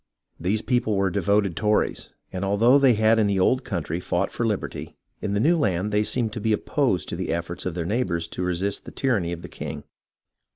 These people were devoted Tories, and although they had in the old country fought for liberty, in the new land they seemed to be opposed to the efforts of their neighbours to resist the tyranny of the king.